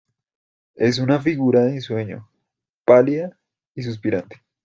es una figura de ensueño pálida y suspirante